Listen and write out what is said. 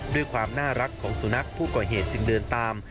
ด้วยความน่ารักของสุนัขผู้ก่อเหตุจึงเดินตาม